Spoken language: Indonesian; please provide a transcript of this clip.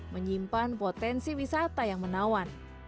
menyimpan potensi wisata yang menawan